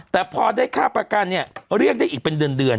แต่พอได้ค่าประกันเนี่ยเรียกได้อีกเป็นเดือน